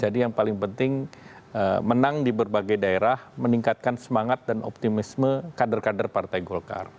jadi yang paling penting menang di berbagai daerah meningkatkan semangat dan optimisme kader kader partai golkar